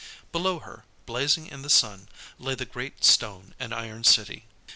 Below her, blazing in the sun, lay the great stone and iron city.